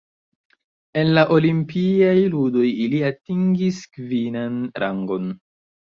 En la Olimpiaj ludoj ili atingis kvinan rangon.